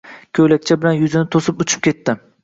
Ko‘ylakcha bilan yuzini to‘sib uchib ketdi.